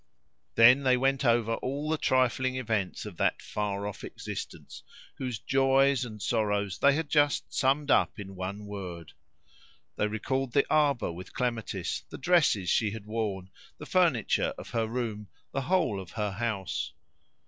Then they went over all the trifling events of that far off existence, whose joys and sorrows they had just summed up in one word. They recalled the arbour with clematis, the dresses she had worn, the furniture of her room, the whole of her house.